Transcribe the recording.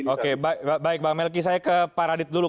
oke baik bang melki saya ke pak radit dulu